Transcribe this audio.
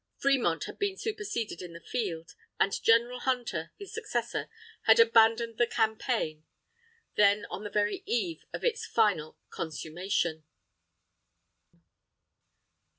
Fremont had been superseded in the field, and General Hunter, his successor, had abandoned the campaign, then on the very eve of its final consummation.